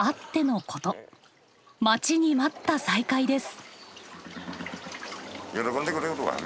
待ちに待った再開です。